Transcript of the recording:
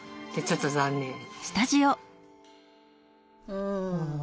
うん。